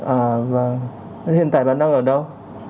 à và hiện tại bạn đang ở đâu